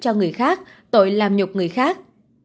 cho người khác tội làm nhục người khác